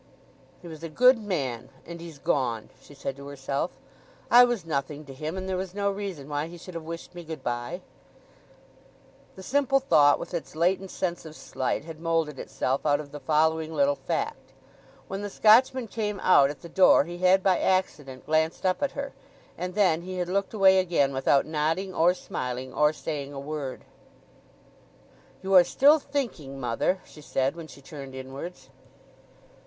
"He was a good man—and he's gone," she said to herself. "I was nothing to him, and there was no reason why he should have wished me good bye." The simple thought, with its latent sense of slight, had moulded itself out of the following little fact: when the Scotchman came out at the door he had by accident glanced up at her; and then he had looked away again without nodding, or smiling, or saying a word. "You are still thinking, mother," she said, when she turned inwards.